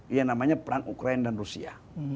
yang namanya perang ukraina dan rusia